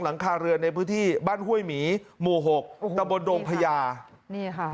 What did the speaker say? หลังคาเรือนในพื้นที่บ้านห้วยหมีหมู่หกตะบนดงพญานี่ค่ะ